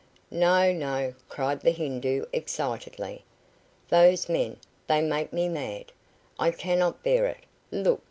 "No, no," cried the Hindoo, excitedly. "Those men they make me mad. I cannot bear it. Look!"